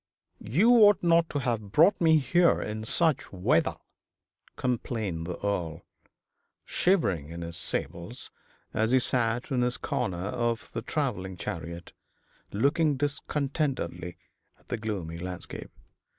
'You ought not to have brought me here in such weather,' complained the Earl, shivering in his sables, as he sat in his corner of the travelling chariot, looking discontentedly at the gloomy landscape.